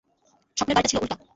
স্বপ্নের বাড়িটা ছিল উল্টো।